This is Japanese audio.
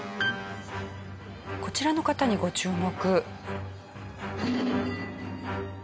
こちらの方にご注目。